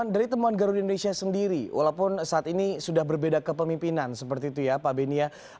dari temuan garuda indonesia sendiri walaupun saat ini sudah berbeda kepemimpinan seperti itu ya pak benia